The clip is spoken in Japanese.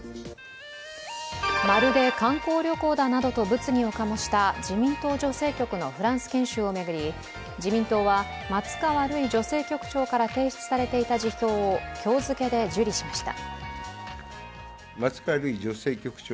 まるで観光旅行だなどと物議を醸した自民党女性局のフランス研修を巡り、自民党は松川るい女性局長から提出されていた辞表を今日付で受理しました。